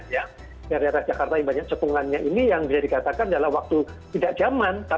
daerah daerah jakarta yang banyak cekungannya ini yang bisa dikatakan dalam waktu tidak jaman